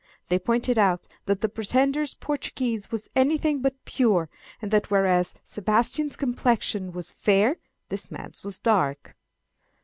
They pointed out that the pretender's Portuguese was anything but pure, and that whereas Sebastian's complexion was fair this man's was dark.